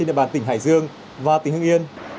địa bàn tỉnh hải dương và tỉnh hưng yên